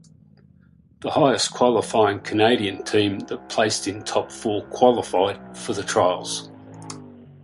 The highest qualifying Canadian team that placed in top four qualified for the trials.